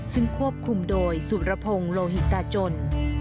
ซึ่งควบคุมโดยสุรพงศ์โลหิตตาจน